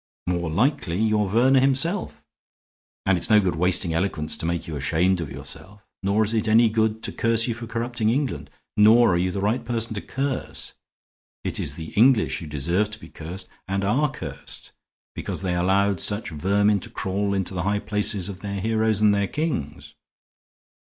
"More likely you are Verner himself; and it's no good wasting eloquence to make you ashamed of yourself. Nor is it any good to curse you for corrupting England; nor are you the right person to curse. It is the English who deserve to be cursed, and are cursed, because they allowed such vermin to crawl into the high places of their heroes and their kings.